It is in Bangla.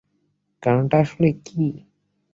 কারণটা আসলে কী?